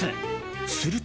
すると。